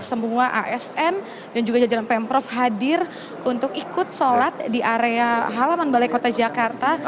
semua asn dan juga jajaran pemprov hadir untuk ikut sholat di area halaman balai kota jakarta